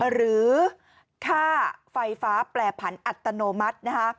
หรือค่าไฟฟ้าแปรผันอัตโนมัตินะคะ